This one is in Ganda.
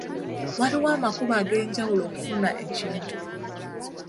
Waliwo amakubo ag'enjawulo okufuna ekintu.